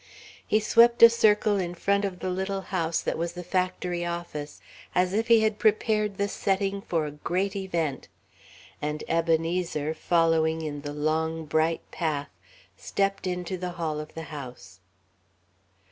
He swept a circle in front of the little house that was the factory office, as if he had prepared the setting for a great event; and Ebenezer, following in the long, bright path, stepped into the hall of the house.